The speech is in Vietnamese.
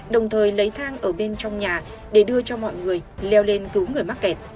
đồng thời lấy thang ở bên trong nhà để đưa cho mọi người leo lên cứu người mắc kẹt